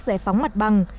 giải phóng mặt bằng